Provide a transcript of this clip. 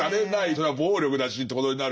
それは暴力だしってことになるから。